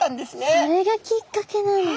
それがきっかけなんだ。